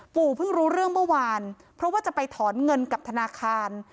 เพิ่งรู้เรื่องเมื่อวานเพราะว่าจะไปถอนเงินกับธนาคาร